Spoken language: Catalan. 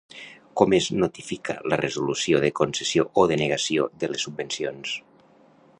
Com es notifica la resolució de concessió o denegació de les subvencions?